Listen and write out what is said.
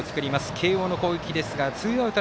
慶応の攻撃ですがツーアウト、